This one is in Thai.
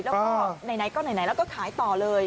แล้วก็ไหนก็ไหนแล้วก็ขายต่อเลย